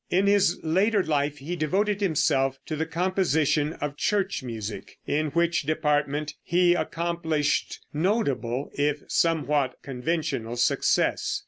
In his later life he devoted himself to the composition of church music, in which department he accomplished notable, if somewhat conventional, success.